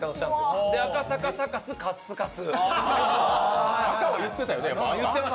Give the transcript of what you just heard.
それで赤坂サカス、カッスカス。